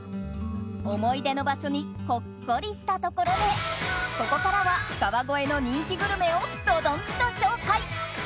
思い出の場所にほっこりしたところでここからは川越の人気グルメをどどんと紹介。